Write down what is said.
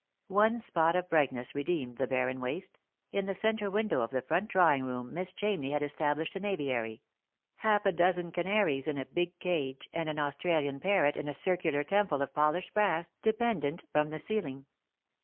One spot of brightness redeemed the barren waste ; in the centre window of the front drawing room Miss Ohamney had established an aviary, — half a dozen canaries in a big cage, and an Australian parrot in a circular temple of polished brass, dependent from the ceiling.